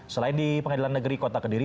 selain di pengadilan negeri kota kediri